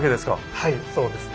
はいそうですね。